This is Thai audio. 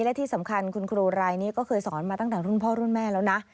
และที่สำคัญคุณครูรายนี้ก็เคยสอนมาตั้งแต่รุ่นพ่อรุ่นแม่แล้วนะ